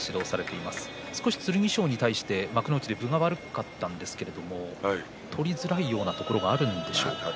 少し剣翔に対して分が悪かったんですけれども取りづらいようなところがあるんですかね？